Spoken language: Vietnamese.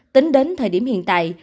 tính đến thời điểm hiện tại